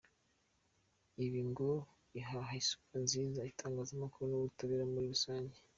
Ibi ngo bihaha isura nziza itangazamakuru n’ubutabera muri rusange.